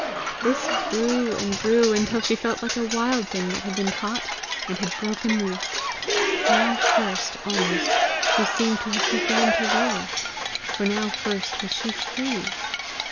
This grew and grew until she felt like a wild thing that had been caught, and had broken loose. Now first, almost, she seemed to have begun to live, for now first was she free!